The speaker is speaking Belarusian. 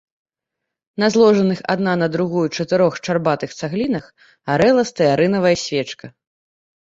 На зложаных адна на другую чатырох шчарбатых цаглінах гарэла стэарынавая свечка.